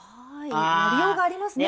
やりようがありますね。